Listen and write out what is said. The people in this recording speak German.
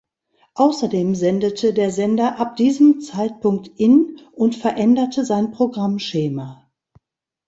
Außerdem sendete der Sender ab diesem Zeitpunkt in und veränderte sein Programmschema.